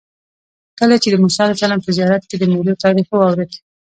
کله چې د موسی علیه السلام په زیارت کې د میلو تاریخ واورېد.